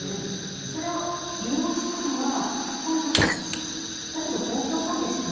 それを利用したのはこういう方々だったと。